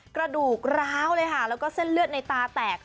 กระดูกร้าวเลยค่ะแล้วก็เส้นเลือดในตาแตก